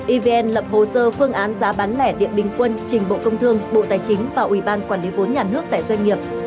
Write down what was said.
evn lập hồ sơ phương án giá bán lẻ điện bình quân trình bộ công thương bộ tài chính và ủy ban quản lý vốn nhà nước tại doanh nghiệp